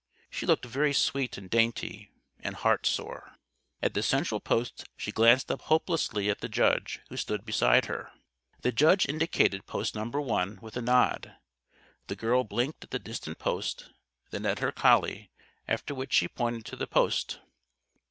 She looked very sweet and dainty and heartsore. At the central post she glanced up hopelessly at the judge who stood beside her. The judge indicated Post No. 1 with a nod. The girl blinked at the distant post, then at her collie, after which she pointed to the post.